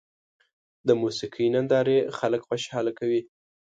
د موسیقۍ نندارې خلک خوشحاله کوي.